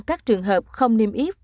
các trường hợp không niêm yếp